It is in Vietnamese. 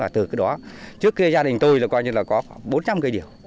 trước kia gia đình tôi có khoảng bốn trăm linh cây điều